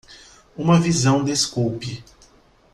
Uma visão desculpe